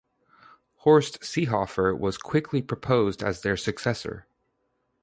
Horst Seehofer was quickly proposed as their successor.